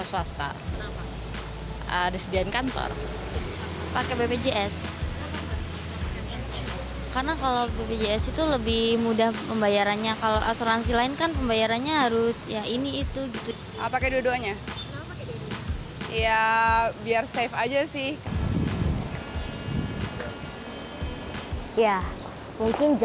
wanita berumur empat puluh tahun ini